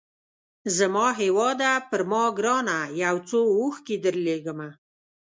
زما هیواده پر ما ګرانه یو څو اوښکي درلېږمه